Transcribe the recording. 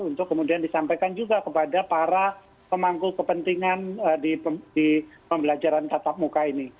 untuk kemudian disampaikan juga kepada para pemangku kepentingan di pembelajaran tatap muka ini